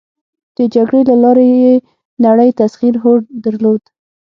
د جګړې له لارې یې نړی تسخیر هوډ درلود.